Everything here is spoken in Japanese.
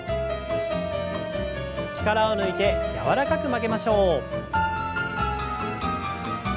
力を抜いて柔らかく曲げましょう。